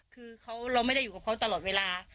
คือเราไม่ได้อยู่กับเขาตลอดเวลา